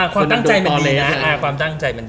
ความตั้งใจมันดี